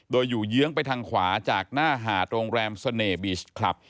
โดยอยู่เยื้องไปทางขวาจากหน้าหาดโรงแรมเสน่ห์บีชคลับ